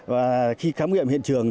và khi khám nghiệm hiện trường